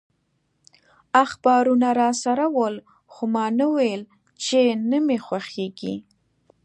اخبارونه راسره ول، خو ما نه ویل چي نه مي خوښیږي.